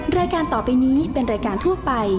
รายการต่อไปนี้เป็นรายการทั่วไป